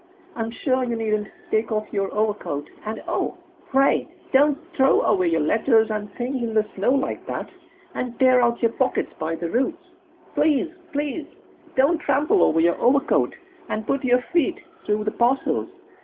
I'm sure you needn't take off your overcoat, and oh, pray don't throw away your letters and things in the snow like that, and tear out your pockets by the roots! Please, please don't trample over your overcoat and put your feet through the parcels.